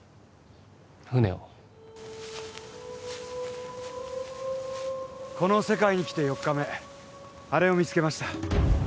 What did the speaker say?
船をこの世界に来て４日目あれを見つけました